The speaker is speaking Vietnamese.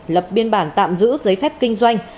lập biên bản tạm giữ giấy phép kinh doanh